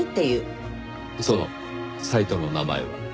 そのサイトの名前は？